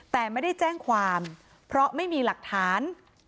แต่ไม่ได้แจ้งความเพราะไม่มีหลักฐาน